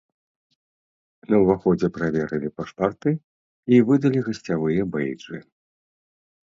На ўваходзе праверылі пашпарты і выдалі гасцявыя бэйджы.